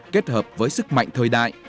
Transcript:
kết hợp với sức mạnh thời đại